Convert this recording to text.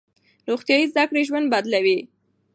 روغتیايي زده کړې ژوند بدلوي.